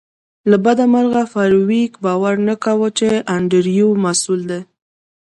له بده مرغه فارویک باور نه کاوه چې انډریو مسؤل دی